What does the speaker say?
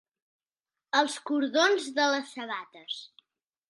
Els cordons de les sabates.